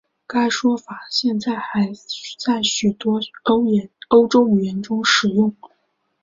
该说法现在还在许多欧洲语言中使用。